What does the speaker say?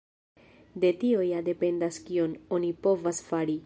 De tio ja dependas kion oni povas fari.